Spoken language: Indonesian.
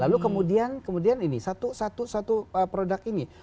lalu kemudian kemudian ini satu satu produk ini